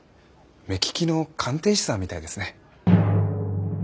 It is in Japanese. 目利きの鑑定士さんみたいですね。